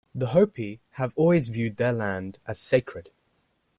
The Hopi have always viewed their land as sacred.